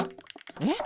えっ？